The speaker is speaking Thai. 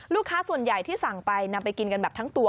ลูกค้าส่วนใหญ่ที่สั่งไปนำไปกินกันแบบทั้งตัว